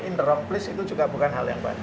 in the wrong place itu juga bukan hal yang bagus